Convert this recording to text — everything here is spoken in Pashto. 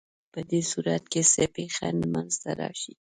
په دې صورت کې څه پېښه منځ ته راشي؟